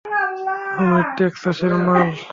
আমি টেক্সাসের মাল।